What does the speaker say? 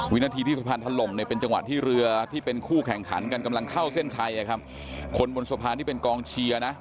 วินาทีที่สะพานถล่มเนี่ยเป็นจังหวะที่เรือที่เป็นคู่แข่งขันกันกำลังเข้าเส้นชัยคนบนสะพานที่เป็นกองเชียร์นะ